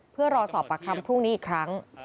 เพื่อรอสอบประคำพรุ่งนี้อีกครั้ง